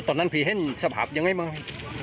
ตอนนั้นผีเห้นสภาพยังไงมั้ย